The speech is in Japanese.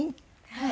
はい。